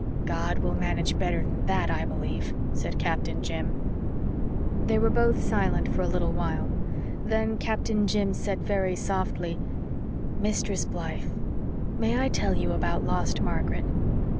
"God will manage better'n THAT, I believe," said Captain Jim. They were both silent for a little time. Then Captain Jim said very softly: "Mistress Blythe, may I tell you about lost Margaret?"